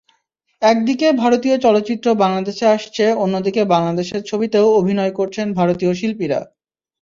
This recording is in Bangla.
একদিকে ভারতীয় চলচ্চিত্র বাংলাদেশে আসছে অন্যদিকে বাংলাদেশের ছবিতেও অভিনয় করছেন ভারতীয় শিল্পীরা।